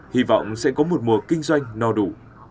hy vọng sẽ có một mùa kinh doanh no đủ